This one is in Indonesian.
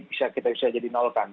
bisa kita bisa jadi nolkan